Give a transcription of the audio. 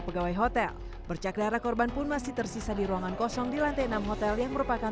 pegawai hotel bercak darah korban pun masih tersisa di ruangan kosong di lantai enam hotel yang merupakan